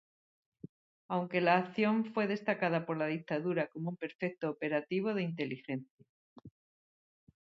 Aunque la acción fue destacada por la dictadura como un perfecto operativo de inteligencia.